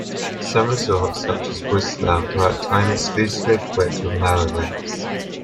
Some resorts, such as Whistler were at the time exclusively equipped with Mueller lifts.